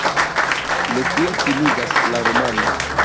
Ne tiel finiĝas la romano.